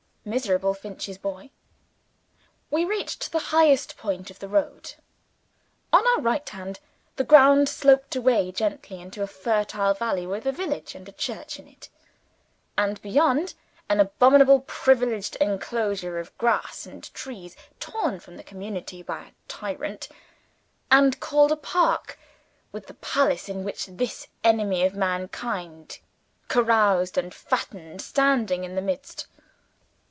Miserable Finch's boy! We reached the highest point of the road. On our right hand, the ground sloped away gently into a fertile valley with a village and a church in it; and beyond, an abominable privileged enclosure of grass and trees torn from the community by a tyrant, and called a Park; with the palace in which this enemy of mankind caroused and fattened, standing in the midst.